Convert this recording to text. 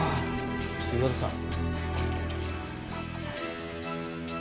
ちょっと岩田さん。